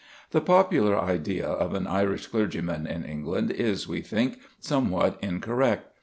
The popular idea of an Irish clergyman in England is, we think, somewhat incorrect.